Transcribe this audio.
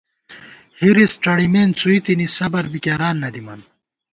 حِرِص ڄڑِمېن څُوئی تنی ، صبر بی کېران نہ دِمان